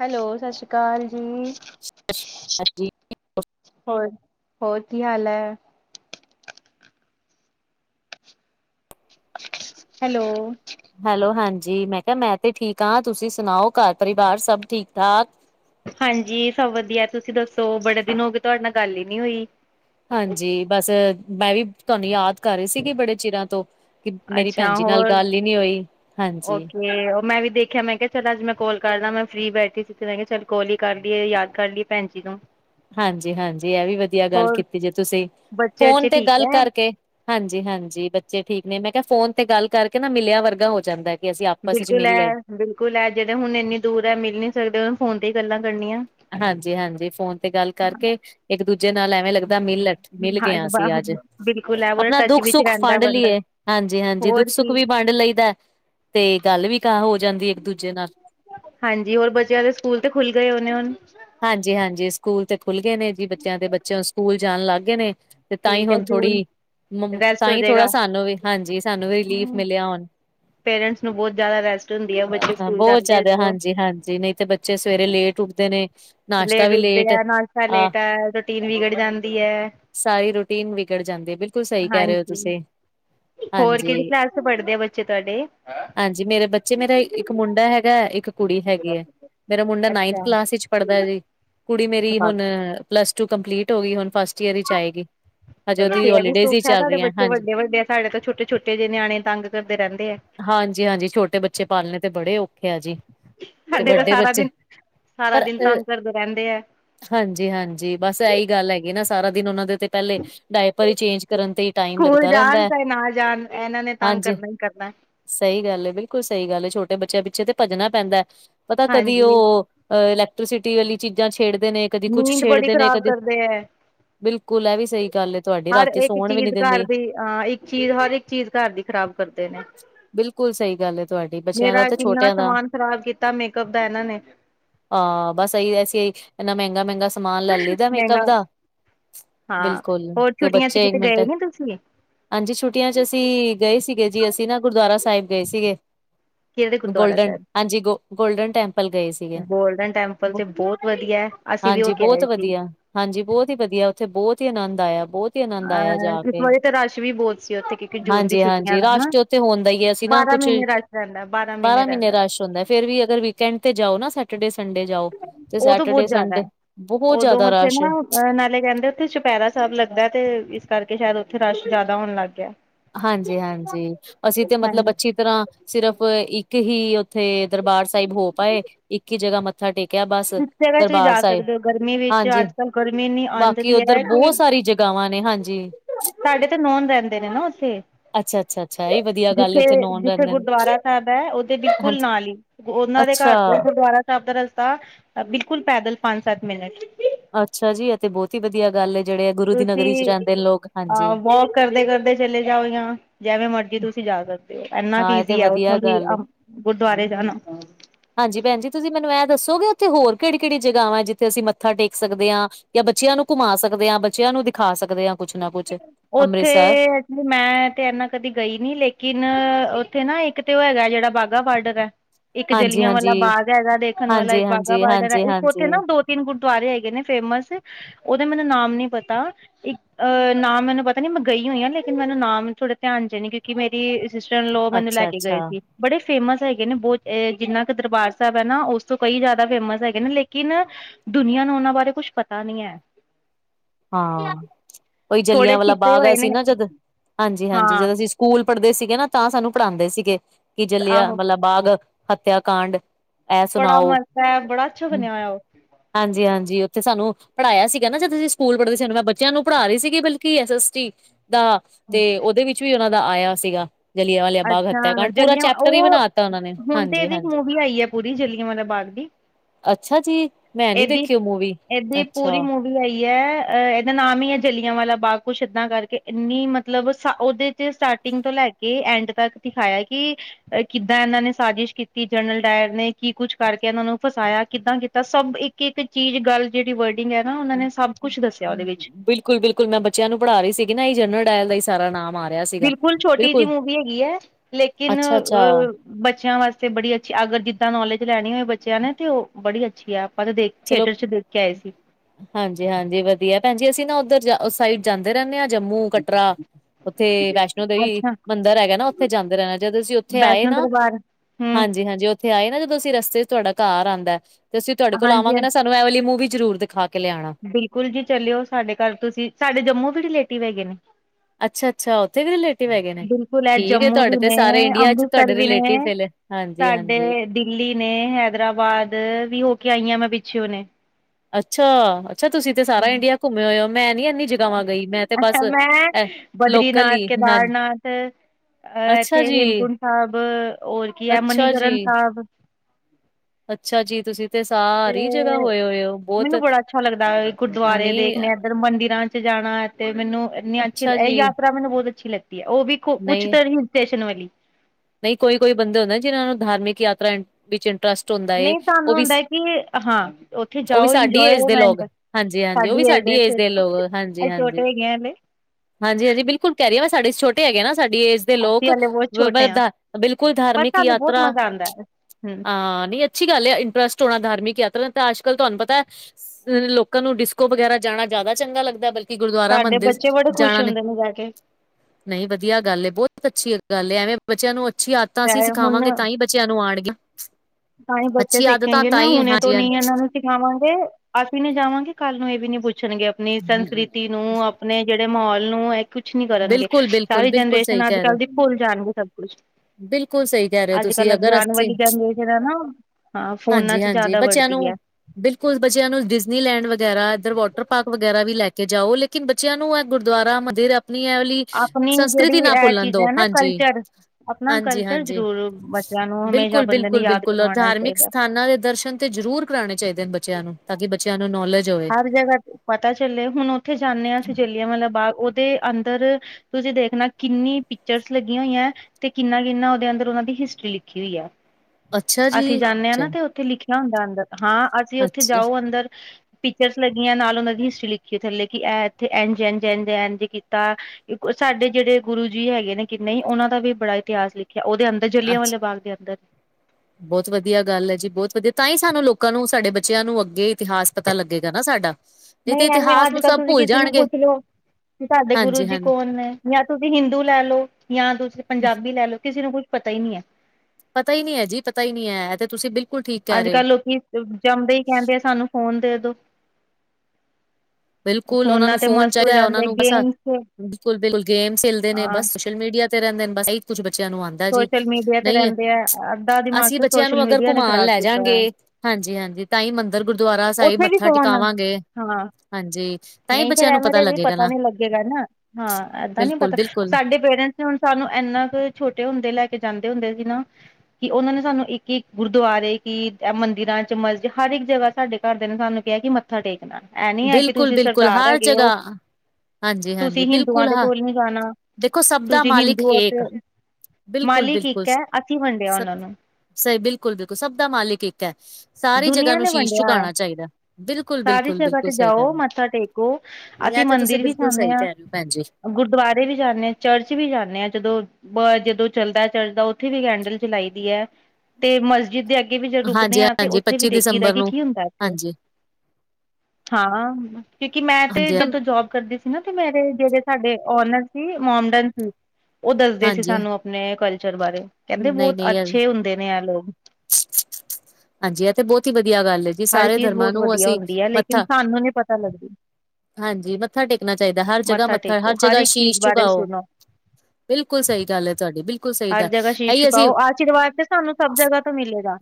Hello, ਸਤਿ ਸ੍ਰੀ ਅਕਾਲ ਜੀ। ਸਤਿ ਸ਼੍ਰੀ ਅਕਾਲ ਜੀ। ਹੋਰ, ਹੋਰ ਕੀ ਹਾਲ ਹੈ? ਹੈਲੋ। ਹੈਲੋ, ਹਾਂਜੀ, ਮੈਂ ਕਿਹਾ ਮੈਂ ਤੇ ਠੀਕ ਹਾਂ। ਤੁਸੀਂ ਸੁਣਾਓ ਘਰ-ਪਰਿਵਾਰ ਸਭ ਠੀਕ-ਠਾਕ? ਹਾਂਜੀ, ਸਭ ਵਧੀਆ, ਤੁਸੀਂ ਦੱਸੋ? ਬੜੇ ਦਿਨ ਹੋ ਗਏ ਤੁਹਾਡ ਨਾਲ ਗੱਲ ਹੀ ਨੀ ਹੋਈ। ਹਾਂਜੀ, ਬਸ। ਮੈਂ ਵੀ, ਤੁਹਾਨੂੰ ਯਾਦ ਕਰ ਰਹੀ ਸੀਗੀ ਬੜੇ ਚਿਰਾਂ ਤੋਂ। ਕੀ, ਮੇਰੀ ਭੈਣ ਅੱਛਾ, ਜੀ ਨਾਲ ਗੱਲ ਹੀ ਨੀ ਹੋਈ। ਹਾਂਜੀ। ਤੇ, ਉਹ ਮੈਂ ਵੀ ਦੇਖਿਆ, ਮੈਂ ਕਿਹਾ ਚੱਲ ਅੱਜ ਮੈਂ ਕੋਲ ਕਰਲਾਂ ਮੈਂ ਫ੍ਰੀ ਬੈਠੀ ਸੀ, ਤੇ ਮੈਂ ਕਿਹਾ ਚੱਲ ਕੋਲ ਈ ਕਰ ਲਈਏ, ਯਾਦ ਕਰ ਲੀਏ। ਭੈਣਜੀ ਨੂੰ। ਹਾਂਜੀ-ਹਾਂਜੀ, ਐ ਵੀ ਵਧੀਆ ਗੱਲ ਹੋਰ ਕੀਤੀ ਜੇ ਤੁਸੀਂ, ਬੱਚੇ ਫੋਨ ਬੱਚੇ ਤੇ ਠੀਕ ਗੱਲ ਹੈ? ਕਰਕੇ ਹਾਂਜੀ-ਹਾਂਜੀ, ਬੱਚੇ ਠੀਕ ਨੇ, ਮੈਂ ਕਿਹਾ ਫੋਨ ਤੇ ਗੱਲ ਕਰਕੇ ਨਾ ਮਿਲਿਆ ਵਰਗਾ ਹੋ ਜਾਂਦਾ ਏ। ਬਿਲਕੁਲ ਐ, ਬਿਲਕੁਲ ਐ, ਜਿਹੜੇ ਹੁਣ ਇੰਨੀ ਦੂਰ ਹੈ, ਮਿਲ ਨੀ ਸਕਦੇ, ਉਹਨੇ ਫੋਨ ਤੇ ਹੀ ਗੱਲਾਂ ਕਰਨੀਆਂ। ਹਾਂਜੀ-ਹਾਂਜੀ, ਫੋਨ ਤੇ ਗੱਲ ਕਰਕੇ ਇੱਕ ਦੂਜੇ ਨਾਲ ਐਵੇਂ ਲੱਗਦਾ, ਮਿਲ, ਮਿਲ ਗਿਆ ਅਸੀ ਅਜ ਬਿਲਕੁਲ ਹੈ ਬੜਾ ਆਪਣਾ ਟੱਚ ਵਿੱਚ ਦੁੱਖ-ਸੁੱਖ ਰਹਿੰਦਾ ਫੰਡ ਬੰਦਾ। ਲੀਏ। ਹਾਂਜੀ-ਹਾਂਜੀ, ਹੋਰ ਦੁੱਖ-ਸੁੱਖ ਕੀ, ਵੀ ਵੰਡ ਲਈਦਾ, ਤੇ ਗੱਲ ਵੀ ਕਾਹ ਹੋ ਜਾਂਦੀ ਇੱਕ-ਦੂਜੇ ਨਾਲ। ਹਾਂਜੀ, ਹੋਰ ਬੱਚਿਆ ਦੇ ਸਕੂਲ ਤੇ ਖੁੱਲ ਗਏ ਹੋਨੇ, ਹੁਣ। ਹਾਂਜੀ-ਹਾਂਜੀ, ਸਕੂਲ ਤੇ ਖੁੱਲ ਗਏ ਨੇ ਜੀ ਬੱਚਿਆਂ ਦੇ, ਬੱਚੇ ਸਕੂਲ ਜਾਣ ਲੱਗ ਗਏ ਨੇ। ਤੇ ਤਾਹੀ ਠੀਕ ਹੈ ਹੁਣ ਜੂਨ ਥੋੜੀ, ਰੈਸਟ ਹੋ ਤਾਂਹੀ ਜਾਏਗਾ ਥੋੜ੍ਹਾ ਸਾਨੂੰ ਵੀ, ਹਾਂਜੀ, ਸਾਨੂੰ ਵੀ ਰਿਲੀਫ਼ ਮਿਲਿਆ ਹੁਣ। ਪੇਰੈਂਟਸ ਨੂੰ ਬਹੁਤ ਜ਼ਿਆਦਾ ਰੈਸਟ ਹੁੰਦੀ ਹੈ ਬੱਚੇ ਸਕੂਲ ਬਹੁਤ ਜਾਂਦੇ ਆ ਜ਼ਿਆਦਾ ਜਦੋਂ ਹਾਂਜੀ-ਹਾਂਜੀ, ਨਹੀਂ ਤੇ ਬੱਚੇ ਸਵੇਰੇ ਲੇਟ ਉੱਠਦੇ ਨੇ ਨਾਸ਼ਤਾ ਲੇਟ ਵੀ ਉੱਠਦੇ ਆ ਨਾਸ਼ਾਤਾਂ ਆਹ ਲੇਟ ਆ ਰੂਟੀਨ ਵਿਗੜ ਜਾਂਦੀ ਹੈ ਸਾਰੀ ਰੂਟੀਨ ਵਿਗੜ ਜਾਂਦੀ ਬਿਲਕੁਲ ਸਹੀ ਕਹਿ ਰਹੇ ਹੋ ਹਾਂਜੀ ਤੁਸੀਂ ਹੋਰ ਹਾਂਜੀ ਕਿਹੜੀ ਕਲਾਸ ਪੜ੍ਹਦੇ ਆ ਬੱਚੇ ਤੁਹਾਡੇ ਜੀ ਮੇਰੇ ਬੱਚੇ ਮੇਰਾ ਇੱਕ ਮੁੰਡਾ ਹੈਗਾ ਇੱਕ ਕੁੜੀ ਹੈਗੀ ਹੈ ਮੇਰਾ ਮੁੰਡਾ ਨਾਈਨਥ ਅੱਛਾ ਕਲਾਸ ਵਿੱਚ ਪੜ੍ਹਦਾ ਜੀ ਕੁੜੀ ਮੇਰੀ ਹੁਣ ਪਲੱਸ ਟੂ ਕੰਪਲੀਟ ਹੋ ਗਈ ਹੁਣ ਫਸਟ ਈਅਰ ਵਿੱਚ ਆਏਗੀ ਹਜੇ ਚਲੋ ਉਹਦੀ ਤੇ ਇਹ ਵੀ ਹੋਲੀਡੇਜ਼ ਹੀ ਸੁੱਖ ਹੈ ਚੱਲ ਤੁਹਾਡੇ ਰਹੀਆਂ ਬੱਚੇ ਹਾਂਜੀ ਵੱਡੇ ਵੱਡੇ ਆ ਸਾਡੇ ਤੋਂ ਛੋਟੇ ਛੋਟੇ ਜਿਹੇ ਨਿਆਣੇ ਤਗ ਕਰਦੇ ਰਹਿੰਦੇ ਆ ਹਾਂਜੀ ਹਾਂਜੀ ਛੋਟੇ ਬੱਚੇ ਪਾਲਣੇ ਤੇ ਬੜੇ ਔਖੇ ਆ ਜੀ ਤੇ ਸਾਡੇ ਤਾਂ ਵੱਡੇ ਸਾਰਾ ਬੱਚੇ ਦਿਨ ਸਾਰਾ ਪਰ ਦਿਨ ਅ ਤੰਗ ਕਰਦੇ ਰਹਿੰਦੇ ਆ ਹਾਂਜੀ ਹਾਂਜੀ ਬਸ ਇਹੀ ਗੱਲ ਹੈਗੀ ਨਾ ਸਾਰਾ ਦਿਨ ਉਹਨਾਂ ਦੇ ਤੇ ਪਹਿਲੇ ਡਾਇਪਰ ਹੀ ਚੇਂਜ ਕਰਨ ਤੇ ਟਾਈਮ ਸਕੂਲ ਲੱਗਦਾ ਰਹਿੰਦਾ ਜਾਣ ਹੈ ਚਾਹੇ ਨਾ ਜਾਣ ਇਹਨਾਂ ਨੇ ਤੰਗ ਹਾਂਜੀ ਕਰਨਾ ਹੀ ਕਰਨਾ ਸਹੀ ਗੱਲ ਹੈ ਬਿਲਕੁਲ ਸਹੀ ਗੱਲ ਹੈ ਛੋਟੇ ਬੱਚਿਆਂ ਪਿੱਛੇ ਤੇ ਭੱਜਣਾ ਪੈਂਦਾ ਪਤਾ ਕਦੀ ਹਾਂਜੀ ਉਹ ਅਹ ਇਲੈਕਟ੍ਰੀਸਿਟੀ ਵਾਲੀ ਚੀਜ਼ਾਂ ਛੇੜਦੇ ਨੇ ਕਦੀ ਕੁੱਛ ਨੀਂਦ ਬੜੀ ਛੇੜਦੇ ਨੇ, ਖ਼ਰਾਬ ਕਦੀ ਕਰਦੇ ਹੈ ਬਿਲਕੁਲ ਇਹ ਵੀ ਸਹੀ ਗੱਲ ਏ ਤੁਹਾਡੀ, ਹਰ ਰਾਤੀ ਇੱਕ ਸੌਣ ਵੀ ਨੀ ਚੀਜ਼ ਘਰ ਦਿੰਦੀ। ਦੀ ਅ ਇੱਕ ਚੀਜ਼ ਹਰ ਇੱਕ ਚੀਜ਼ ਘਰ ਦੀ ਖ਼ਰਾਬ ਕਰਦੇ ਨੇ ਬਿਲਕੁਲ ਸਹੀ ਗੱਲ ਹੈ ਤੁਹਾਡੀ ਬੱਚਿਆਂ ਦਾ ਮੇਰਾ ਤੇ ਕਿੰਨਾ ਛੋਟਿਆਂ ਦਾ ਸਮਾਨ ਖ਼ਰਾਬ ਕੀਤਾ ਮੇਕਅਪ ਦਾ ਇਹਨਾਂ ਨੇ ਹਾਂ ਬਸ ਇਹੀ ਐਸੀ ਇਨਾ ਮਹਿੰਗਾ ਮਹਿੰਗਾ ਸਮਾਨ ਲੈ ਲਦਾ ਮਹਿੰਗਾ ਮੇਕਅਪ ਦਾ ਹਾਂ ਬਿਲਕੁਲ ਹੋਰ ਤੇ ਛੁੱਟੀਆਂ ਚ ਬੱਚੇ ਇਕ ਕਿਤੇ ਮਿੰਟ- ਗਏ ਨੀ ਤੁਸੀਂ ਹਾਂਜੀ ਛੁੱਟੀਆਂ ਚ ਅਸੀ ਗਏ ਸੀਗੇ ਜੀ ਅਸੀ ਨਾ ਗੁਰਦੁਆਰਾ ਸਾਹਿਬ ਗਏ ਸੀਗੇ ਕਿਹੜੇ ਗੁਰਦੁਆਰੇ। ਗੋਲਡਨ ਹਾਂਜੀ ਗੋ ਗੋਲਡਨ ਟੈਂਪਲ ਗਏ ਸੀ। ਗੋਲਡਨ ਟੈਂਪਲ ਤੇ ਬਹੁਤ ਵਧੀਆ ਅਸੀ ਵੀ ਉਹ ਹਾਂਜੀ ਕੇ ਆਏ ਬਹੁਤ ਸੀ। ਵਧੀਆ। ਹਾਂਜੀ ਬਹੁਤ ਹੀ ਵਧੀਆ ਉਥੇ ਬਹੁਤ ਹੀ ਆਨੰਦ ਆਇਆ ਬਹੁਤ ਆਨੰਦ ਆਇਆ ਜਾ ਅਹ ਇਸ ਕੇ ਵਾਰੀ ਤਾਂ ਰਸ਼ ਵੀ ਬਹੁਤ ਸੀ ਉੱਥੇ ਕਿਉਂਕਿ ਜੂਨ ਦੀ ਹਾਂਜੀ- ਛੁੱਟੀਆਂ ਹਾਂਜੀ ਨੇ ਰਸ ਨਾ। ਤਾਂ ਉਥੇ ਹੁੰਦਾ ਹੀ ਹੈ। ਕਿ ਨਾ ਬਾਰਾਂ ਕੁਛ ਮਹੀਨੇ ਰਸ਼ ਰਹਿੰਦਾ ਬਾਰਾਂ ਮਹੀਨੇ ਰਹਿੰਦਾ ਰਸ਼ ਹੁਦਾ ਫੇਰ ਵੀ ਅਗਰ ਵੀਕਐਂਡ ਤੇ ਜਾਓ ਨਾ ਸੈਟਰਡੇ ਸੰਡੇ- ਜਾਓ ਤੇ ਉਹਦ ਬਹੁਤ ਸੈਟਰਡੇ ਜ਼ਿਆਦਾ ਸੰਡੇ ਬਹੁਤ ਉਦੋਂ ਜ਼ਿਆਦਾ ਉੱਥੇ ਰਸ਼ ਨਾ ਨਾਲੇ ਕਹਿਦੇ ਉੱਥੇ ਚੁਪੈਰਾ ਸਾਹਿਬ ਸਭ ਲਗਦਾ ਤੇ ਇਸ ਕਰਕੇ ਸ਼ਾਇਦ ਉਥੇ ਰਸ਼ ਜ਼ਿਆਦਾ ਹੋਣ ਲਗ ਗਿਆ। ਹਾਂਜੀ- ਹਾਂਜੀ ਅਸੀ ਤੇ ਮਤਲਬ ਹਾਂਜੀ ਅਛੀ ਤਰ੍ਹਾਂ ਸਿਰਫ਼ ਇਕ ਹੀ ਉਥੇ ਦਰਬਾਰ ਸਾਹਿਬ ਹੋ ਪਾਏ ਇਕ ਇਕੀ ਜਗਾ ਮਥਾ ਟੇਕਿਆ ਬਸ ਕਿਸ ਜਗ੍ਹਾ ਤੁਸੀਂ ਦਰਬਾਰ ਜਾ ਸਾਹਿਬ ਸਕਦੇ ਹੋ ਗਰਮੀ ਵਿੱਚ ਹਾਂਜੀ ਅੱਜ ਕੱਲ ਗਰਮੀ ਇੰਨੀ ਅੰਤ ਬਾਕੀ ਕਿ ਦੀ ਉਧਰ ਹੈ ਬਹੁਤ ਕਿ ਸਾਰੀ ਜਗ੍ਹਾਵਾਂ ਨੇ ਹਾਂਜੀ- ਸਾਡੇ ਤੇ ਨੋਨ ਰਹਿਦੇ ਨੇ ਨਾ ਉਥੇ ਅੱਛਾ-ਅੱਛਾ-ਅੱਛਾ ਇਹ ਵਧੀਆ ਗੱਲ ਹੈ, ਉੱਥੇ ਜਿਥੇ- ਨੋਨ ਜਿਥੇ ਰਹਿੰਦੇ ਨੇ ਗੁਰਦੁਆਰਾ ਸਾਹਿਬ ਹੈ। ਉਹਦੇ ਹਾਂਜੀ ਬਿਲਕੁਲ ਨਾਲ ਹੀ। ਉਹਨਾਂ ਦੇ ਅੱਛਾ, ਘਰ ਤੋਂ ਗੁਰਦੁਆਰਾ ਸਾਹਿਬ ਦਾ ਰਸਤਾ ਬਿਲਕੁਲ ਪੈਦਲ ਪੰਜ ਸੱਤ ਮਿੰਟ ਅਛਾ ਜੀ ਅਤੇ ਬਹੁਤ ਹੀ ਵਧੀਆ ਗਲ ਹੈ। ਜਿਹੜੇ ਆ ਗੁਰੂ ਦੀ ਤੁਸੀਂ ਨਗਰੀ 'ਚ ਰਹਿਦੇ ਨੇ ਲੋਕ ਅ ਹਾਂਜੀ ਵੋਕ ਕਰਦੇ ਕਰਦੇ ਚਲੇ ਜਾਓ ਜਾਂ ਜਿਵੇ ਮਰਜੀ ਤੁਸੀ ਜਾ ਸਕਦੇ ਇਨਾ ਕੁ ਹਾਂ ਇਹ ਤੇ ਈਜੀ ਆ ਉਥੋ ਵਧੀਆ ਦੀ ਗੱਲ ਗੁਰਦੁਆਰੇ ਜਾਣਾ ਹਾਂ ਭੈਣ ਜ ਤੁਸੀ ਮੈਨੂੰ ਇਹਂ ਦਸੋਗੇ ਉਥੇ ਹੋਰ ਕਿਹੜੀ- ਕਿਹੜੀਆ ਜਗਾਵਾਂ ਜਿਥ ਅਸੀ ਮਥਾ ਟੇਕ ਸਕਦੇ ਹਾਂ। ਜਾਂ ਬੱਚਿਆਂ ਨੂੰ ਘੁੰਮਾ ਸਕਦੇ ਹ ਬੱਚਿਆਂ ਨੂੰ ਦਿਖਾ ਸਕਦੇ ਹਾਂ ਕੁਛ ਨਾ ਕੁਛ। ਅੰਮ੍ਰਿਤਸਰ ਉਥੇ- ਮੈਂ ਤੇ ਇਨਾ ਕਦੀ ਗਈ ਨੀ ਲੇਕਿਨ ਉਥੇ ਨਾ ਇਕ ਤੇ ਉਹ ਹੈਗਾ ਜਿਹੜਾ ਵਾਹਗਾ ਬਾਰਡਰ ਹੈ। ਇੱਕ ਜਲਿਆਂ ਵਾਲਾ ਹਾਂਜੀ-ਹਾਂਜੀ, ਬਾਗ ਹੈਗਾ ਦੇਖਣ ਵਾਲਾ ਇਕ ਵਾਹਗਾ ਹਾਂਜੀ-ਹਾਂਜੀ, ਬਾਰਡਰ ਹੈ ਇਕ ਉਥੇ ਹਾਂਜੀ-ਹਾਂਜੀ। ਨਾ ਦੋ ਤਿਨ ਗੁਰਦੁਆਰੇ ਹੈਗੇ ਨੇ ਫੇਮਸ ਉਹਦੇ ਮੈਨੂੰ ਨਾਮ ਨੀ ਪਤਾ ਇਕ ਅਹ ਨਾ ਮੈਨੂੰ ਪਤਾ ਨੀ ਮੈਂ ਗਈ ਹੋਈ ਹ ਲੇਕਿਨ ਮੈਨੂੰ ਨਾਾਮ ਥੋੜੇ ਧਿਆਨ ਜਚ ਨਹੀ ਉਕਿ ਕਿ ਮੇਰੀ ਸਿਸਟਰ ਲੋ ਮੈਨੂੰ ਲੈ ਕੇ ਗਏ ਅੱਛਾ-ਅੱਛਾ ਸੀ ਬੜੇ ਫੇਮਸ ਹੈਗੇ ਨੇ ਬਹੁਤ ਜਿਨਾ ਕੁ ਦਰਬਾਰ ਸਾਹਿਬ ਹੈ ਨਾ ਉਸ ਤੋਂ ਕਈ ਜ਼ਿਆਦਾ ਫੇਮਸ ਹੈਗੇ ਨੇ ਲੇਕਿਨ ਦੁਨੀਆਂ ਨੂੰ ਉਹਨਾਂ ਬਾਰੇ ਕੁਛ ਪਤਾ ਨਹੀ ਹੈ। ਹਾਂ ਕੋਈ ਜਲਿਆ ਥੋੜੇ ਵਾਲਾ ਛਿਪੇ ਬਾਗ ਹੋਏ ਸੀ ਨੇ ਨਾ ਜਦ ਹਾਂਜੀ -ਹਾਂਜੀ ਹਾਂ ਜਦ ਅਸੀ ਸਕੂਲ ਪੜ੍ਹਦੇ ਸੀਗੇ ਨਾ ਤਾਂ ਸਾਨੂੰ ਪੜ੍ਹਾਉਦੇ ਸੀਗੇ ਕਿ ਜਲਿਆਂ ਆਹੋ ਵਾਲਾ ਮਤਲਬ ਬਾਗ ਹਤਿਆ ਕਾਂਡ ਇਹ ਬੜਾ ਸੁਣਾਓ ਮਸਾ ਆ ਬੜਾ ਅਛਾ ਬਨਿਆ ਹੋਇਆ ਉਹ ਹਾਂਜੀ ਹਾਂਜੀ ਉਥੇ ਸਾਨੂੰ ਪੜ੍ਹਾਇਆ ਸੀਗਾ ਨਾ ਜਦੋ ਸਕੂਲ ਪੜ੍ਹਦੇ ਸੀ ਮੈਂ ਬੱਚਿਆਂ ਨੂੰ ਪੜ੍ਹਾ ਰਹੀ ਸੀਗੀ ਬਲਕਿ ਐਸ ਐਸ ਟੀ ਦਾ ਤੇ ਉਹ ਉਹਦੇ ਵਿਚ ਛੁਈ ਹੋਰਾ ਦਾ ਆਇਆ ਸੀਗਾ ਜਲਆ ਵਾਲਆ ਬਾਗ਼ ਹਤਿਆ ਅੱਛਾ ਕਡ ਪੂਰਾ ਜਲਿਆਂ ਚੈਪਟਰ ਹੀ ਉਹ ਬਣਾ ਤਾ ਉਹਨਾ ਨੇ ਹੁਣ ਤੇ ਹਾਂਜੀ ਇਹਦੀ ਹਾਂਜੀ ਮੂਵੀ ਆਈ ਹੈ ਪੂਰੀ ਜਲਿਆਂ ਵਾਲਾ ਬਾਗ ਦੀ ਅੱਛਾ ਜੀ ਮੈਂ ਨੀ ਦੇਖੀਓ ਮੂਵੀ ਅਛਾ ਵੀ ਆਈ ਹ ਅਹ ਇਹਦਾ ਨਾਮ ਹੀ ਹੈ। ਜਲੀਆਂ ਵਾਲਾ ਬਾਗ ਕੁਛ ਏਦਾਂ ਕਰਕੇ ਇੰਨੀ ਮਤਲਬ ਸਾ ਉਹਦੇ ਫਿਰ ਸਟਾਰਟਿੰਗ ਤੋ ਲੈ ਕੇ ਐਂਡ ਤੱਕ ਦਿਖਾਇਆ ਕਿ ਕਿਦਾ ਇਹਨਾਂ ਨੇ ਸਾਜਿਸ਼ ਕੀਤੀ ਜਨਰਲ ਡਾਇਰ ਨੇ ਕੀ ਕੁਝ ਕਰਕੇ ਇਹਨਾਂ ਨੂੰ ਫਸਾਇਆ ਕਿਦਾਂ ਕੀਤਾ ਸਭ ਇਕ ਕਿ ਇਕ ਚੀਜ਼ ਗਲ ਜਿਹੜੀ ਵਰਡਿਗ ਹੈ। ਨਾ ਉਹਨਾ ਨੇ ਸਭ ਕੁਛ ਦਸਿਆ ਉਹਦੇ ਵਿਚ ਕੂਲ ਬਿਲਕੁਲ ਮੈ ਬੱਚਿਆਂ ਨੂੰ ਪੜਾ ਰਹੀ ਸੀ ਨਾ ਇਹ ਜਨਰਲ ਡਾਇਲ ਦਾ ਹੀ ਸਾਰਾ ਨਾਮ ਆ ਰਿਹਾ ਸੀਗਾ ਬਿਲਕੁਲ ਛੋਟੀ ਜਿਹੀ ਬਿਲਕੁਲ ਮੂਵੀ ਹੈਗੀ ਹੈ। ਲੇਕਿਨ ਅੱਛਾ-ਅੱਛਾ ਅ ਬੱਚਿਆਂ ਵਾਸਤੇ ਬੜੀ ਅਛੀ ਅਗਰ ਜਿਦਾਂ ਨੌਲੇਜ ਲੈਣੀ ਹੋਏ ਬੱਚਿਆਂ ਨੇ ਤੇ ਉਹ ਬੜੀ ਅਛੀ ਹ ਮੈ ਤਾਂ ਦੇਖ ਥੀਏਟਰ ਚ ਦੇਖ ਕੇ ਆਏ ਸੀ ਹਾਂਜੀ ਹਾਂਜੀ ਵਧੀਆ ਭੈਣ ਜ ਅਸੀ ਨਾ ਉਧਰ ਉਸ ਸਾਈਡ ਜਾਦੇ ਰਹਿਦੇ ਹਾਂ ਜੰਮੂ ਕਟਰਾ ਉਥੇ ਵੈਸ਼ਨੋ ਦੇਵੀ ਅੱਛਾ ਮੰਦਿਰ ਹੈਗਾ ਨਾ ਉਥੇ ਜਾਂਦੇ ਰਹਿਣਾ ਜਦੋਂ ਅਸੀ ਉਥੇ ਆਏ ਵੈਸ਼ਨੋ ਨਾ ਦਰਬਾਰ ਹੂੰ ਹਾਂਜੀ ਹਾਂਜੀ ਉੱਥੇ ਆਏ ਨਾ ਜਦੋਂ ਅਸੀ ਰਸਤੇ 'ਚ ਤੁਹਾਡਾ ਘਰ ਆਉਦਾ ਤੇ ਅਸੀ ਤੁਹਾਡੇ ਕੋਲ ਹਾਂਜੀ ਆਵਾਂਗੇ ਹਾਂ, ਨਾ ਸਬ ਨੂੰ ਐ ਵਾਲੀ ਮੂੰਹ ਵੀ ਜ਼ਰੂਰ ਦਿਖਾ ਕੇ ਲਿਆਉਣਾ ਬਿਲਕੁਲ ਜੀ ਚੱਲਿਓ ਸਾਡੇ ਘਰ ਤੁਸੀਂ ਸਾਡੇ ਜੰਮੂ ਵੀ ਰਿਲੇਟਿਵ ਹੈਗੇ ਨੇ ਅੱਛਾ ਅੱਛਾ ਉੱਥੇ ਵੀ ਰਿਲੇਟਿਵ ਹੈਗੇ ਨੇ ਬਿਲਕੁਲ ਹੈ ਠੀਕ ਆ ਜੰਮੂ ਤੁਹਾਡੇ ਵੀ ਤੇ ਨੇ ਸਾਰੇ ਇੰਡੀਆ ਚ ਤੁਹਾਡੇ ਅੰਮ੍ਰਿਤਸਰ ਵੀ ਰਿਲੇਟਿਵ ਨੇ। ਹਾਂਜੀ ਹਾਂਜੀ ਸਾਡੇ ਦਿੱਲੀ ਨੇ ਹੈਦਰਾਬਾਦ ਵੀ ਹੋ ਕੇ ਆਈ ਹ ਮੈਂ ਪਿੱਛੇਓ ਨੇ ਅੱਛਾ ਅੱਛਾ ਤੁਸੀਂ ਤੇ ਸਾਰਾ ਇੰਡੀਆ ਘੁੰਮੇ ਹੋਏ ਹੋ ਮੈਂ ਨੀ ਇਨੀ ਅਛਾ ਮੇ ਲੋਕਲ ਬਦਰੀਨਾਥ ਹੀ ਹਾਂਜੀ ਕੇਦਾਰਨਾਥ ਅਹ ਅੱਛਾ ਇੱਥੇ ਜੀ, ਹੇਮਕੁੰਟ ਸਾਹਿਬ ਹੋਰ ਕੀ ਹੈ ਅੱਛਾ ਮਨੀਕਰਨ ਜੀ ਸਾਹਿਬ ਅੱਛਾ ਜੀ, ਤੁਸੀਂ ਤੇ ਤੇ ਸਾਰੀ ਜਗ੍ਹਾ ਹੋਏ ਹੋਏ ਹੋ ਬਹੁਤ ਮੈਨੂੰ ਬੜਾ ਅੱਛਾ ਲੱਗਦਾ ਅ, ਗੁਰਦੁਆਰੇ ਨਹੀਂ ਦੇਖਣੇ ਜ ਮੰਦਿਰਾਂ ਚ ਜਾਣਾ ਤੇ ਮੈਨੂੰ ਇੰਨੀ ਅੱਛੀ ਅੱਛਾ ਇਹ ਜੀ, ਯਾਤਰਾ ਮੈਨੂੰ ਬਹੁਤ ਅੱਛੀ ਲੱਗੀ ਹੈ ਉਹ ਵੀ ਖ਼ੂਬ ਨਹੀਂ ਉੱਚਤਰੀ ਸਟੇਸ਼ਨ ਵਾਲੀ ਨਹੀਂ ਕੋਈ ਕੋਈ ਬੰਦੇ ਹੁੰਦੇ ਜਿਨਾਂ ਨੂੰ ਧਾਰਮਿਕ ਯਾਤਰਾ ਵਿੱਚ ਇੰਟਰਸਟ ਹੁੰਦਾ ਹੈ ਨਹੀਂ ਉਹ ਸਾਨੂੰ ਵੀ ਹੁੰਦਾ ਹੈ ਕਿ ਹਾਂ ਉੱਥੇ ਉਹ ਵੀ ਜਾਓ ਸਾਡੀ ਏਜ ਦੇ ਲੋੌਗ ਇੰਜੋਏਮੈਂਟ ਹਾਂਜੀ ਹਾਂਜੀ ਉਹ ਵੀ ਸਾਡੀ ਏਜ ਵਿੱਚ ਦੇ ਲੋਕ ਹਾਂਜੀ ਅਸੀਂ ਹਾਂਜੀ ਛੋਟੇ ਹੈਗੇ ਆ ਹਲੇ ਹਾਂਜੀ ਹਾਂਜੀ ਬਿਲਕੁਲ ਕਹਿਰੀ ਸਾਡੇ ਛੋਟੇ ਹੈਗੇ ਨਾ ਸਾਡੀ ਏਜ ਦੇ ਅਸੀਂ ਲੋਕ ਹਲੇ ਬਹੁਤ ਛੋਟੇ ਹਾਂ ਬਿਲਕੁਲ ਪਰ ਧਾਰਮਿਕ ਸਾਨੂੰ ਬਹੁਤ ਯਾਤਰਾ ਮਜ਼ਾ ਆਉਂਦਾ ਹੈ ਹਮ ਹਾਂ ਨੀ ਅੱਛੀ ਗੱਲ ਹੈ ਇੰਟਰਸਟ ਹੋਣਾ ਧਾਰਮਿਕ ਯਾਤਰਾ ਤਾਂ ਅੱਜ ਕੱਲ ਤੁਹਾਨੂੰ ਪਤਾ ਹੈ ਲੋਕਾਂ ਨੂੰ ਡਿਸਕੋ ਵਗੈਰਾ ਜਾਣਾ ਜ਼ਿਆਦਾ ਚੰਗਾ ਲੱਗਦਾ ਬਲਕਿ ਕਿ ਗੁਰਦੁਆਰਾ ਸਾਡੇ ਮੰਦਿਰ ਬੱਚੇ ਬੜੇ ਖੁਸ਼ ਜਾਣਾ ਨੇ ਹੁੰਦੇ ਜਾ ਕੇ ਨਹੀਂ ਵਧੀਆ ਗੱਲ ਬਹੁਤ ਅੱਛੀ ਗੱਲ ਹੈ ਐਵੇਂ ਬੱਚਿਆਂ ਨੂੰ ਅੱਛੀ ਆਦਤਾਂ ਅਸੀਂ ਚਾਹੇ ਹੁਣ ਸਿਖਾਵਾਂਗੇ ਤਾਂ ਹੀ ਬ ਬੱਚਿਆਂ ਨੂੰ ਆਉਣਗੇ ਤਾਂ ਹੀ ਬੱਚੇ ਸਿੱਖੇਗੇ ਨਾ ਹੁਣੇ ਤੋਂ ਹਾਂ ਨੀ ਇਹਨਾਂ ਨੂੰ ਸਿਖਾਵਾਂਗੇ ਅਸੀਂ ਨੀ ਜਾਵਾਂਗੇ ਕੱਲ ਨੂੰ ਇਹ ਵੀ ਨੀ ਪੁੱਛਣਗੇ ਆਪਣੀ ਸੰਸਕ੍ਰਿਤੀ ਨੂੰ ਆਪਣੇ ਜਿਹੜੇ ਮੋਹਲ ਨੂੰ ਕੁਛ ਨੀ ਕਰਨਗੇ ਬਿਲਕੁਲ ਬਿਲਕੁਲ ਸਾਰੀ ਬਿਲਕੁਲ ਸਹੀ ਜਨਰੇਸ਼ਨ ਅੱਜ ਕਹਿ ਰਹੇ ਕੱਲ੍ਹ ਦੀ ਭੁੱਲ ਜਾਣਗੇ ਸਭ ਕੁਛ ਬਿਲਕੁਲ ਸਹੀ ਕਹਿ ਰਹੇ ਹੋ ਤੁਸੀਂ ਅਗਰ ਅਸੀਂ ਫਿਰ ਹੈ ਨਾ ਹਾਂ ਫੋਨਾਂ ਹਾਂਜੀ ਚ ਹਾਂਜੀ ਜ਼ਿਆਦਾ ਬੱਚਿਆਂ ਵੜਦੀ ਹੈ ਨੂੰ ਬਿਲਕੁਲ ਬੱਚਿਆਂ ਨੂੰ ਡਿਜ਼ਨੀਲੈਂਡ ਵਗੈਰਾ ਇੱਧਰ ਵਾਟਰ ਪਾਰਕ ਵਗੈਰਾ ਵੀ ਲੈ ਕੇ ਜਾਓ ਲੇਕਿਨ ਬੱਚਿਆਂ ਨੂੰ ਇਹ ਗੁਰਦੁਆਰਾ ਮੰਦਿਰ ਆਪਣੀ ਇਹੀ ਆਪਣੀ ਸੰਸਕ੍ਰਿਤੀ ਜਿਹੜੀ ਨਾ ਇਹ ਭੁੱਲਣ ਦੋ ਚੀਜ਼ਾਂ ਨਾ ਹਾਂਜੀ ਕਲਚਰ ਆਪਣਾ ਹਾਂਜੀ ਕਲਚਰ ਹਾਂਜੀ ਜ਼ਰੂਰ ਬੱਚਿਆਂ ਨੂੰ ਹਮੇਸ਼ਾ ਬਿਲਕੁਲ ਬੰਦੇ ਨੂੰ ਬਿਲਕੁਲ ਯਾਦ ਬਿਲਕੁਲ ਔਰ ਕਰਵਾਉਣਾ ਧਾਰਮਿਕ ਚਾਹੀਦਾ ਸਥਾਨਾਂ ਦੇ ਦਰਸ਼ਨ ਤੇ ਜ਼ਰੂਰ ਕਰਾਉਣੇ ਚਾਹੀਦੇ ਨੇ ਬੱਚਿਆਂ ਨੂੰ ਤਾਂ ਕਿ ਬੱਚਿਆਂ ਨੂੰ ਨੌਲੇਜ ਹੋਵੇ ਹਰ ਜਗ੍ਹਾ ਪਤਾ ਚੱਲੇ ਹੁਣ ਉੱਥੇ ਜਾਂਦੇ ਹਾਂ ਅਸੀਂ ਜਲਿਆਂਵਾਲਾ ਬਾਗ ਉਹਦੇ ਅੰਦਰ ਤੁਸੀਂ ਦੇਖਣਾ ਕਿੰਨੀ ਪਿਕਚਰਸ ਲੱਗੀਆਂ ਹੋਈਆਂ ਤੇ ਕਿੰਨਾ-ਕਿੰਨਾ ਉਹਦੇ ਅੰਦਰ ਉਹਨਾਂ ਦੀ ਹਿਸਟਰੀ ਲਿਖੀ ਹੋਈ ਹੈ ਅੱਛਾ ਅਸੀਂ ਜੀ, ਜਾਂਦੇ ਹਾਂ ਅੱਛਾ, ਨਾ ਤੇ ਉੱਥੇ ਲਿਖੇ ਹੁੰਦਾ ਅੰਦਰ ਹਾਂ ਅਸੀਂ ਉੱਥੇ ਅੱਛ ਜਾਓ ਅੰਦਰ ਪਿਚਰਸ ਲੱਗੀਆਂ ਨਾਲ ਉਹਨਾਂ ਦੀ ਹਿਸਟਰੀ ਲਿਖੀ ਥੱਲੇ ਕਿ ਇਹ ਇੱਥੇ ਐ ਜਨ ਜ ਐਨ ਜੇ ਕੀਤਾ ਸਾਡੇ ਜਿਹੜੇ ਗੁਰੂ ਜੀ ਹੈਗੇ ਨੇ ਕਿ ਨਹੀਂ ਉਹਨਾਂ ਦਾ ਵੀ ਬੜਾ ਇਤਿਹਾਸ ਲਿਖਿਆ ਉਹਦੇ ਅੰਦਰ ਜੱਲੵਿਆਂ ਅੱਛ ਵਾਲੇ ਬਾਗ ਦੇ ਅੰਦਰ ਬਹੁਤ ਵਧੀਆ ਗੱਲ ਹੈ ਜੀ ਬਹੁਤ ਵਧੀਆ ਤਾਂ ਹੀ ਸਾਨੂੰ ਲੋਕਾਂ ਨੂੰ ਸਾਡੇ ਬੱਚਿਆਂ ਨੂੰ ਅੱਗੇ ਇਤਿਹਾਸ ਪਤਾ ਲੱਗੇਗਾ ਨਾ ਸਾਡਾ ਨਹੀਂ ਤੇ ਐਵੇਂ ਇਤਿਹਾਸ ਅੱਜ ਨੂੰ ਕੱਲ੍ਹ ਸਭ ਤੁਸੀਂ ਭੁੱਲ ਕਿਸੇ ਨੂੰ ਜਾਣਗੇ ਪੁੱਛ ਲਓ ਕਿ ਸਾਡੇ ਗੁਰੂ ਜੀ ਹਾਂਜੀ-ਹਾਂਜੀ। ਕੌਣ ਨੇ ਜਾਂ ਤੁਸੀਂ ਹਿੰਦੂ ਲੈ ਲਓ ਜਾਂ ਤੁਸੀਂ ਪੰਜਾਬੀ ਲੈ ਲਓ ਕਿਸੇ ਨੂੰ ਕੁਛ ਪਤਾ ਹੀ ਨਹੀਂ ਹੈ ਪਤਾ ਹੀ ਨਹੀਂ ਹੈ ਜੀ ਪਤਾ ਹੀ ਨਹੀਂ ਹੈ ਤੇ ਤੁਸੀਂ ਬਿਲਕੁਲ ਠੀਕ ਕੈ ਅੱਜ ਰੇ ਓ, ਕੱਲ੍ਹ ਲੋਕੀ ਜੰਮਦੇ ਹੀ ਕਹਿੰਦੇ ਆ ਸਾਨੂੰ ਫੋਨ ਦੇ ਦੋਂ ਬਿਲਕੁਲ ਉਹਨਾਂ ਨੂੰ ਫੋਨ ਚਾਹੀਦਾ ਉਹ ਨੂੰ ਬ ਗੇਮਸ ਤੇ ਬਿਲਕੁਲ-ਬਿਲਕੁਲ ਗੇਮ ਖੇਡਦੇ ਨੇ ਬ ਹਾਂ ਮੀਡੀਆ ਤੇ ਰਹਿੰਦੇ ਬਸ ਕੁ ਬੱਚਿਆਂ ਨੂੰ ਆਉਂਦਾ ਦਾਂ ਜੀ ਸੋਸ਼ਲ ਮੀਡੀਆ ਤੇ ਨਹੀਂ ਹੈ ਰਹਿੰਦੇ ਆ ਅੱਧਾ ਦਿਮਾਗ ਅਸੀਂ ਤੇ ਬੱਚਿਆਂ ਨੂੰ ਸੋਸ਼ਲ ਅਗਰ ਮੀਡੀਆ ਨੇ ਘੁਮਾਨ ਖ਼ਰਾਬ ਲੈ ਕੀਤਾ ਹੋਇਆ ਜਾਗੇ ਹਾਂਜੀ-ਹਾਂਜੀ ਤਾਂ ਹੀ ਮੰਦਿਰ ਗੁਰਦੁਆਰਾ ਸਾਹਿਬ ਉੱਥੇ ਵੀ ਮੱਥਾ ਫੋਨ ਟਿਕਾਵਾਂਗੇ ਹਾਂ ਹਾਂਜੀ ਤਾਂ ਈ ਨਹੀਂ ਫੇਰ ਬੱਚਿਆਂ ਨੂੰ ਐਵੇੇਰੇ ਵੀ ਲੱਗੇਗਾ ਪਤਾ ਨਾ ਨੀ ਲੱਗੇਗਾ ਨਾ ਹਾਂ ਏਦਾਂ ਨੀ ਪਤਾ ਬਿਲਕੁਲ-ਬਿਲਕੁਲ। ਸਾਡੇ ਪੇਰੈਂਟਸ ਨੇ ਹੁਣ ਸਾਨੂੰ ਇੰਨਾ ਕੁ ਛੋਟੇ ਹੁੰਦੇ ਲੈ ਕੇ ਜਾਂਦੇ ਹੁੰਦੇ ਸੀ ਨਾ ਕਿ ਉਹਨਾਂ ਨੇ ਸਾਨੂੰ ਇੱਕ ਇੱਕ ਗੁਰਦੁਆਰੇ ਕਿ ਮੰਦਿਰਾਂ ਚ ਮਸਜਿਦ ਹਰ ਇੱਕ ਜਗ੍ਹਾ ਸਾਡੇ ਘਰਦੇ ਨੇ ਸਾਨੂੰ ਕਿਹਾ ਕਿ ਮੱਥਾ ਟੇਕਣਾ ਇਹ ਨੀ ਹੈ ਕਿ ਬਿਲਕੁਲ ਤੁਸੀਂ ਬਿਲਕੁਲ ਸਰਦਾਰ ਹਰ ਹੈਗੇ ਹੋ ਜਗ੍ਹਾ ਹਾਂਜੀ ਹਾਂਜੀ ਤੁਸੀਂ ਹਿੰਦੂਆਂ ਬਿਲਕੁਲ ਦੇ ਹਾਂ ਕੋਲ ਨੀ ਜਾਣਾ ਦੇਖੋ ਸਭ ਦਾ ਤੁਸੀਂ ਮਾਲਿਕ ਹਿੰਦੂ ਹੋ ਏਕ ਤੇ ਬਿਲਕੁਲ ਮਾਲਿਕ ਬਿਲਕੁਲ ਇੱਕ ਹੈ ਅਸੀਂ ਵੰਡਿਆ ਸਭ ਉਹਨਾਂ ਨੂੰ ਸਹੀ ਬਿਲਕੁਲ ਬਿਲਕੁਲ ਸਭ ਦਾ ਮਾਲਿਕ ਇੱਕ ਹੈ ਸਾਰੀ ਜਗ੍ਹਾ ਦੁਨੀਆਂ ਨੂੰ ਨੇ ਵੰਡਿਆ ਸ਼ੀਸ਼ ੁਕਾਉਣਾ ਚਾਹੀਦਾ ਬਿਲਕੁਲ ਬਿਲਕੁਲ ਬਿਲਕੁਲ ਥ ਸਹੀ ਕਹਿ ਜਾਓ ਰਹੇ ਹੋ ਮੱਥਾ ਟੇਕੋ ਨਹੀਂ ਅਸੀਂ ਇਹ ਤੇ ਤੁਸੀਂ ਮੰਦਿਰ ਵੀ ਬਿਲਕੁਲ ਜਾਂਦੇ ਸਹੀ ਹਾਂ ਕਹਿ ਰਹੇ ਹੋ ਭੈਣ ਜੀ ਗੁਰਦੁਆਰੇ ਵੀ ਜਾਂਦੇ ਹਾਂ ਚਰਚ ਵੀ ਜਾਂਦੇ ਹਾਂ ਜਦੋਂ ਬ ਜਦੋਂ ਚੱਲਦਾ ਚਰਚਦਾ ਉੱਥੇ ਵੀ ਕੈਂਡਲ ਚਲਾਈ ਦੀ ਹੈ ਤੇ ਮ ਜਿਸਦੇ ਅੱਗੇ ਵੀ ਜੇ ਰੁਕਦੇ ਹਾਂਜੀ ਹਾਂ ਤੇ ਹਾਂਜੀ ਉੱਥੇ ਵੀ ਪੱਚੀ ਦੇਖੀ ਦਾ ਦਸੰਬਰ ਕਿ ਨੂੰ ਕੀ ਹੁੰਦਾ ਇੱਕ ਹਾਂਜੀ ਹਾਂ ਕਿਉਂਕਿ ਮੈਂ ਤੇ ਹਾਂਜੀ ਜਦੋਂ ਜੋਬ ਕਰਦੀ ਸੀ ਨਾ ਤੇ ਮੇਰੇ ਜਿਹੜੇ ਸਾਡੇ ਓਨਰ ਸੀ ਮੋਮਡਨ ਸੀ ਉਹ ਦੱਸਦੇ ਸੀ ਹਾਂਜੀ ਸਾਨੂੰ ਆਪਣੇ ਕਲਚਰ ਬਾਰੇ ਕਹਿੰਦੇ ਨਹੀਂ ਬਹੁਤ ਨਹੀਂ ਅੱਛੇ ਹੁੰਦੇ ਨੇ ਹੈ ਲੋਕ ਹਾਂਜੀ ਇਹ ਤੇੇ ਬਹੁਤ ਹੀ ਵਧੀਆ ਗੱਲ ਜ ਹਰ ਸਾਰੇ ਚੀਜ਼ ਧਰਮਾਂ ਬਹੁਤ ਨੂੰ ਵਧੀਆ ਅਸੀਂ ਹੁੰਦੀ ਹੈ ਲੇਕਿਨ ਮੱਥਾ ਸਾਨੂੰ ਨੀ ਪਤਾ ਲੱਗਦੀ ਹਾਂਜੀ ਮੱਥਾ ਟੇਕਣਾ ਚਾਹੀਦਾ ਹਰ ਜਗ੍ਹਾ ਮੱਥਾ ਟੇਕੋ ਹਰ ਜਗ੍ਹਾ ਇੱਕ ਚੀਜ਼ ਸ਼ੀਸ਼ ਬਾਰੇ ਝੁਕਾਓ ਸੁਣੋ ਬਿਲਕੁਲ ਸਹੀ ਗੱਲ ਹੈ ਤੁਹਾਡੀ ਬਿਲਕੁਲ ਸਹੀ ਗੱਲ ਇਹੀ ਅਸੀਂ ਆਸ਼ੀਵਾਦ ਤੇ ਸਾਨੂੰ ਸਭ ਜਗ੍ਹਾ ਤੋਂ ਮਿਲੇਗਾ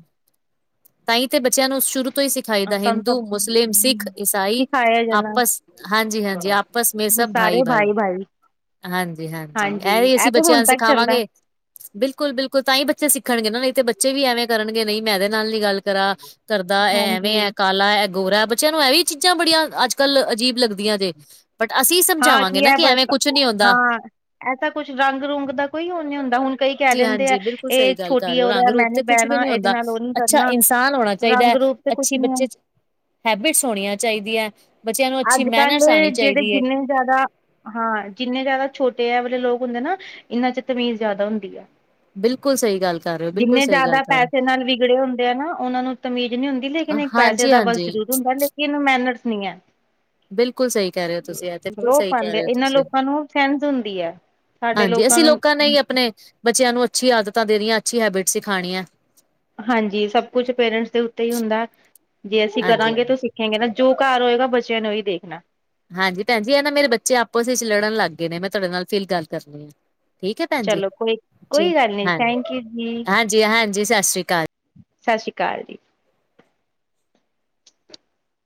ਤਾਂਾਈ ਤੇ ਬੱਚਿਆਂ ਨੂੰ ਸ਼ੁਰੂ ਤੋਂ ਹੀ ਸਿਖਾਈ ਅ ਦਾ ਸਾਨੂੰ ਹਿੰਦੂ ਸਭ ਮੁਸਲਿਮ ਸਿੱਖ ਈਾਈ ਸਿਖਾਇਆ ਜਾਣਾ ਆਪਸ ਹਾਂਜੀ ਹਾਂਜੀ ਆਪ ਆਪਸ ਮੈਂ ਸਭ ਭਾਈ ਸਾਰੇ ਭਾਈ ਭਾਈ-ਭਾਈ ਹਾਂਜੀ ਹਾਂਜੀ ਇਹ ਅਸੀਂ ਤੇ ਬੱਚਿਆਂ ਹੁਣ ਨੂੰ ਤੱਕ ਚੱਲਦਾ ਸਿਖਾਵਾਂਗੇ ਬਿਲਕੁਲ ਬਿਲਕੁਲ ਤਾਂ ਹੀ ਬੱਚੇ ਸਿੱਖਣਗੇ ਨਾ ਨਹੀਂ ਤੇ ਬੱਚੇ ਵੀ ਐਵੇਂ ਕਰਨਗੇ ਨਹੀਂ ਮੈਂ ਇਹਦੇ ਨਾਲ ਨੀ ਗੱਲ ਰਾ ਕਰਦਾ ਐਵੇਂ ਹੈ ਹਾਂਜੀ। ਇਹ ਗੋਰਾ ਹੈ ਬੱਚਿਆਂ ਨੂੰ ਇਹ ਵੀ ਚੀਜ਼ਾਂ ਬੜੀਆਂ ਅੱਜ ਕੱਲ੍ਹ ਅਜੀਬ ਲੱਗਦੀਆਂ ਜੇ ਬਟ ਅਸੀਂ ਹਾਂ ਸਮਝਾਵਾਂਗੇ ਕੀ ਨਾ ਹੈ ਕਿ ਐਵੇਂ ਬਸ ਕੁਛ ਨੀ ਆਉਂਦਾ ਹਾਂ ਐਸਾ ਕੁਛ ਰੰਗ ਰੂੰਗ ਦਾ ਕੋਈ ਉਹ ਨੀ ਹੁੰਦਾ ਹੁਣ ਕਈ ਕਹਿ ਜੀ ਦਿੰਦੇ ਆ ਹਾਂਜੀ ਬਿਲਕੁਲ ਸਹੀ ਇਹ ਗੱਲ ਕਰ ਛੋਟੀ ਰਹੇ ਹੋ ਰੰਗ ਉਹਦਾ ਮੈਂ ਰੂਪ ਨੀ ਤੇ ਕੁਛ ਵੀ ਬਹਿਣਾ ਨਹੀਂ ਇਹਦੇ ਹੁੰਦਾ ਨਾਲ ਉਹ ਨੀ ਅੱਛਾ ਕਰਨਾ ਇਨਸਾਨ ਹੋਣਾ ਚਾਹੀਦਾ ਰੰਗ ਹੈ ਰੂਪ ਕੁਛ ਅੱਛੀ ਨੀ ਹੋ ਬੱਚੇ ਚ ਹੈਬਿਟਸ ਹੋਣੀਆਂ ਚਾਹੀਦੀਆਂ ਬੱਚਿਆਂ ਨੂੰ ਅੱਛੀ ਅੱਜ ਕੱਲ ਮੈਨਰਸ ਆਉਣੀ ਜਿਹੜੇ ਚਾਹੀਦੀ ਹੈ ਜਿੰਨੇ ਜ਼ਿਆਦਾ ਹਾਂ ਜਿੰਨੇ ਜ਼ਿਆਦਾ ਛੋਟੇ ਵਾਲੇ ਲੋਕ ਹੁੰਦੇ ਨਾ ਇਹਨਾਂ ਚ ਤਮੀਜ਼ ਜ਼ਿਆਦਾ ਹੁੰਦੀ ਆ ਬਿਲਕੁਲ ਸਹੀ ਗੱਲ ਕਰ ਰਹੇ ਹੋ ਬਿਲਕੁਲ ਜਿੰਨੇ ਸਹੀ ਗੱਲ ਜ਼ਿਆਦਾ ਕਰ ਰਹੇ ਪੈਸੇ ਨਾਲ ਵਿਗੜੇ ਹੁੰਦੇ ਆ ਨਾ ਉਹਨਾਂ ਨੂੰ ਤਮੀਜ਼ ਨਹੀਂੀ ਹੁੰਦੀ ਲੇ ਹੋ। ਇੱਕ ਪੈਸੇ ਹਾਂਜੀ ਦਾ ਬਸ ਹਾਂਜੀ ਜ਼ਰੂਰ ਹੁੰਦਾ ਲੇਕਿਨ ਮੈਨਟਸ ਨਹੀਂ ਹੈ ਬਿਲਕੁਲ ਸਹੀ ਕਹਿ ਰਹੇ ਹੋ ਤੁਸੀਂ ਯ ਬਿਲਕੁਲ ਰੋਹ ਸਹੀ ਕਹਿ ਪਾਉਂਦੇ ਆ। ਰਹੇ ਹੋ ਇਹਨਾਂ ਤੁਸੀਂ ਲੋਕਾਂ ਨੂੰ ਸੈਂਸ ਹੁੰਦੀ ਹੈ ਸਾਡੇ ਹਾਂਜੀ ਅਸੀਂ ਨੂੰ ਲੋਕਾਂ ਨੇ ਹੀ ਆਪਣੇ ਬੱਚਿਆਂ ਨੂੰ ਅੱਛੀ ਆਦਤਾਂ ਦੇਣੀਆਂ ਅੱਛੀ ਹੈਬਿਟ ਸਿਖਾਣੀ ਹੈ ਹਾਂਜੀ ਸਭ ਕੁਛ ਪੇਰੈਂਟਸ ਦੇ ਉੱਤੇ ਹੀ ਹੁੰਦਾ ਜੇ ਅਸੀਂ ਹਾਂਜੀ ਕਰਾਂਗੇ ਹਾਂਜੀ ਤਾਂਸੀ ਗੇ ਨਾ ਜੋ ਘਰ ਹੋਏਗਾ ਬੱਚਿਆਂ ਨੂੰ ਹੀ ਦੇਖਣਾ ਹਾਂਜੀ ਭੈਣ ਜੀ ਇਹ ਨਾ ਮੇਰੇ ਬੱਚੇ ਆਪਸ ਵਿੱਚ ਲੜਨ ਲੱਗ ਗਏ ਨੇ ਮੈਂ ਤੁਹਾਡੇ ਨਾਲ ਫੀਲ ਗੱਲ ਕਰਨੀ ਆ ਠੀਕ ਹੈ ਭੈਣ ਚਲੋ ਕੋਈ ਜੀੀ ਕੋਈ ਗੱਲ ਨੀ ਹਾਂ ਥੈਂਕ ਯੂ ਜੀ ਹਾਂਜੀ ਹਾਂਜੀ ਸਤਿ ਸ੍ਰੀ ਅਕਾਲ ਸਤਿ ਸ੍ਰੀ ਅਕਾਲ ਜੀ